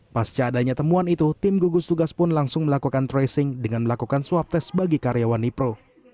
pasca adanya temuan itu tim gugus tugas pun langsung melakukan tracing dengan melakukan swab test bagi karyawan mikro